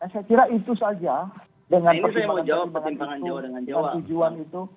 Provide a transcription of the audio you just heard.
saya kira itu saja dengan pertimbangan jawa dengan jawa tujuan itu